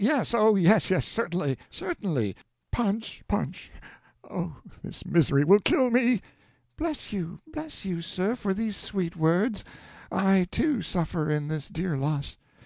Yes oh, yes, yes. Certainly certainly. Punch punch oh, this misery will kill me!' "'Bless you! bless you, sir, for these sweet words! I, too, suffer in this dear loss.